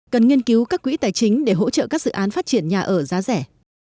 cần nghiên cứu các quỹ tài chính để hỗ trợ các dự án phát triển nhà ở giá rẻ